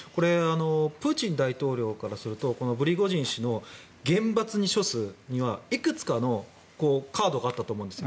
プーチン大統領からするとプリゴジン氏を厳罰に処すにはいくつかのカードがあったと思うんです。